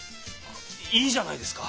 いいじゃないですか。